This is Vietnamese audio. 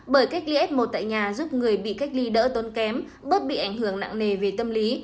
bởi cách ly f một tại nhà giúp người bị cách ly đỡ tốn kém bớt bị ảnh hưởng nặng nề về tâm lý